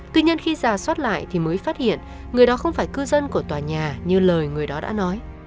tuy nhiên khi ra soát lại thì mới phát hiện người đó không phải cư dân của tòa nhà như lời người đó đã nói